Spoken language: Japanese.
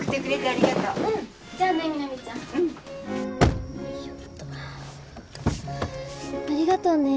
ありがとね。